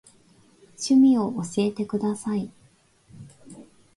趣味を教えてください。